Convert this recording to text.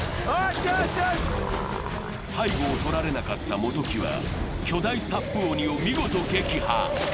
背後をとらなかった元木は、巨大サップ鬼を見事撃破。